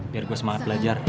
biar gue semangat belajar